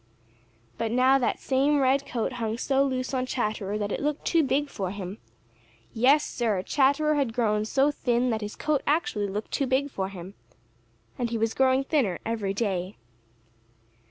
But now that same red coat hung so loose on Chatterer that it looked too big for him. Yes, Sir, Chatterer had grown so thin that his coat actually looked too big for him. And he was growing thinner every day.